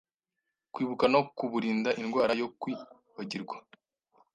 kwibuka no kuburinda indwara yo kwibagirwa